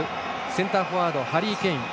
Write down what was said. センターフォワードはハリー・ケイン。